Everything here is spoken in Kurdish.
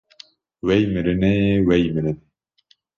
Wey mirinê, wey mirinê